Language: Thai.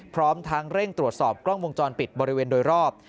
พร้อมทั้งเร่งตรวจสอบกล้องวงจรปิดบริเวณโดยรอบ